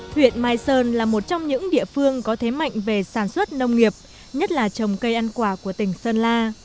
huyện mai sơn là một trong những địa phương có thế mạnh về sản xuất nông nghiệp nhất là trồng cây ăn quả của tỉnh sơn la